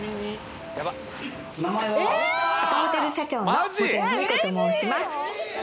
アパホテル社長の元谷芙美子と申します。